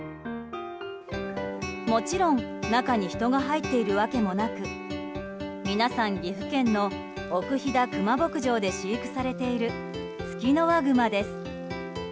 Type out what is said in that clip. もちろん中に人が入っているわけもなく皆さん岐阜県の奥飛騨クマ牧場で飼育されているツキノワグマです。